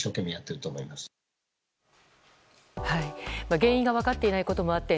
原因が分かってないこともあって